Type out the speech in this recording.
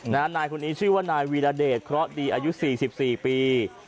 นายคนนี้ชื่อว่านายวีรเดชเคราะห์ดีอายุ๔๔ปี